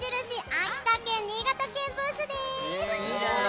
秋田県・新潟県ブースです。